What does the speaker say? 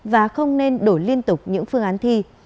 và không nên đổi liên tục những phương án thi